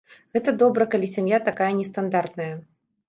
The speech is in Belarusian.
Гэта добра, калі сям'я такая нестандартная.